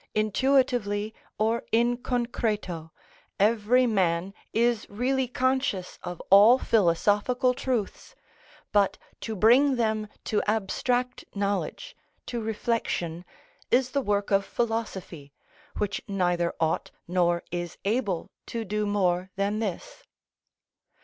Intuitively or in concreto, every man is really conscious of all philosophical truths, but to bring them to abstract knowledge, to reflection, is the work of philosophy, which neither ought nor is able to do more than this.